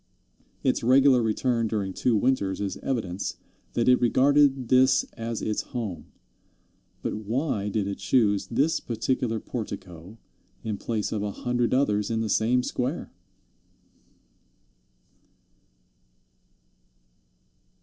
Its regular return during two winters is evidence that it regarded this as its home; but why did it choose this particular portico in place of a hundred others in the same square?